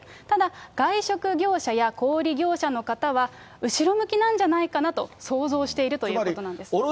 ただ、外食業者や小売り業者の方は、後ろ向きなんじゃないかなと想像しているということなんです。